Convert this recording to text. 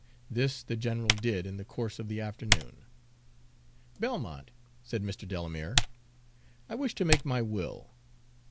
This the general did in the course of the afternoon. "Belmont," said Mr. Delamere, "I wish to make my will.